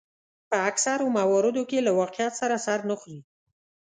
په اکثرو مواردو کې له واقعیت سره سر نه خوري.